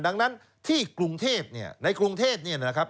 ดังนั้นที่กรุงเทพเนี่ยในกรุงเทพเนี่ยนะครับ